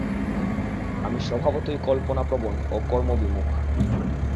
আমি স্বভাবতই কল্পনাপ্রবণ ও কর্মবিমুখ।